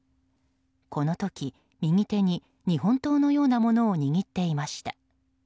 この時、右手に日本刀のようなものを握っていました。